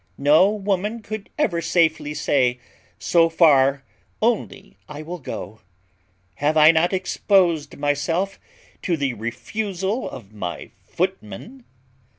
No woman could ever safely say, so far only will I go. Have I not exposed myself to the refusal of my footman?